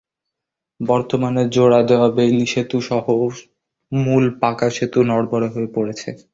বর্তমানে জোড়া দেওয়া বেইলি সেতুসহ মূল পাকা সেতু নড়বড়ে হয়ে পড়েছে।